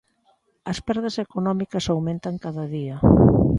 As perdas económicas aumentan cada día.